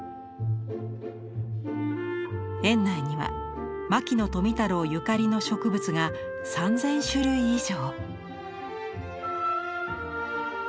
園内には牧野富太郎ゆかりの植物が３，０００種類以上。